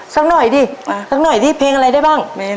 สักหน่อยดิมาสักหน่อยดิเพลงอะไรได้บ้าง